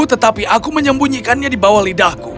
tetapi aku menyembunyikannya di bawah lidahku